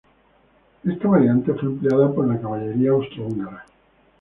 Esta variante fue empleada por la Caballería austrohúngara.